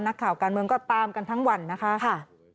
นักข่าวการเมืองก็ตามกันทั้งวันนะคะ